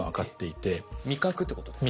味覚ってことですか？